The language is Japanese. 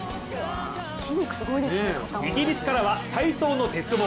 イギリスからは体操の鉄棒。